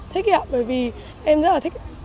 thích ạ bởi vì em rất là thích